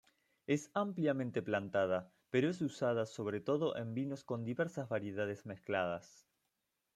Es ampliamente plantada, pero es usada sobre todo en vinos con diversas variedades mezcladas.